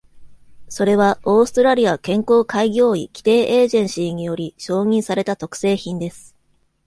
それはオーストラリア健康開業医規定エージェンシーにより承認された特製品です。